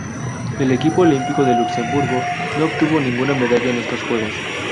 El equipo olímpico de Luxemburgo no obtuvo ninguna medalla en estos Juegos.